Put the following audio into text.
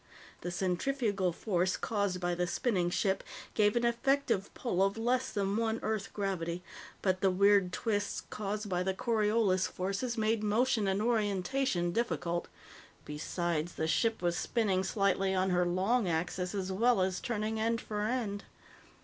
The centrifugal force caused by the spinning ship gave an effective pull of less than one Earth gravity, but the weird twists caused by the Coriolis forces made motion and orientation difficult. Besides, the ship was spinning slightly on her long axis as well as turning end for end.